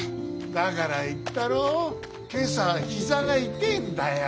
だから言ったろう今朝は膝が痛えんだよ。